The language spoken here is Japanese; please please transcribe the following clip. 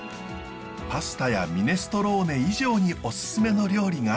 パスタやミネストローネ以上にオススメの料理が。